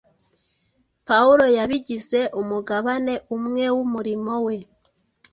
Pawulo yabigize umugabane umwe w’umurimo we.